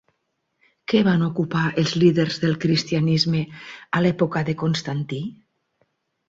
Què van ocupar els líders del cristianisme a l'època de Constantí?